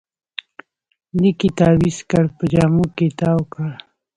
لیک یې تاویز کړ، په جامو کې تاوکړ